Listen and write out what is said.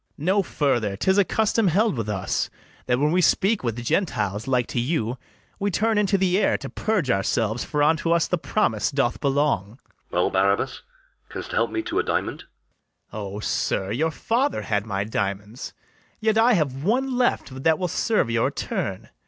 No further: 'tis a custom held with us, That when we speak with Gentiles like to you, We turn into the air to purge ourselves; For unto us the promise doth belong. LODOWICK. Well, Barabas, canst help me to a diamond? BARABAS. O, sir, your father had my diamonds: Yet I have one left that will serve your turn.